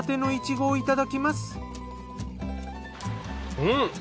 うん！